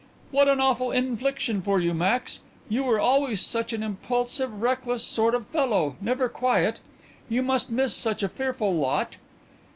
"What an awful infliction for you, Max. You were always such an impulsive, reckless sort of fellow never quiet. You must miss such a fearful lot."